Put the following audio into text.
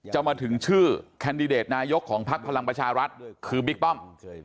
จะมาถึงชื่อแคนดิเดตนายกของพักพลังประชารัฐคือบิ๊กป้อม